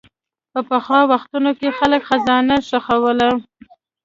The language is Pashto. په پخوا وختونو کې خلک خزانه ښخوله.